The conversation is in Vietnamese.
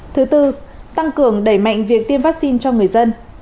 thứ tư tăng cường đẩy mạnh việc tiêm vaccine cho người dân